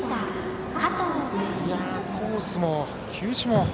コースも球種も。